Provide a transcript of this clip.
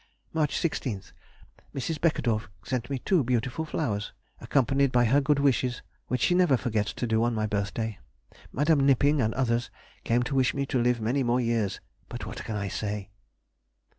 March 16th.—Mrs. Beckedorff sent me two beautiful flowers, accompanied by her good wishes, which she never forgets to do on my birthday. Mde. Knipping, and others, came to wish me to live many more years,—but what can I say?